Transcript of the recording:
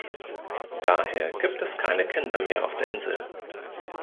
Daher gibt es keine Kinder mehr auf der Insel.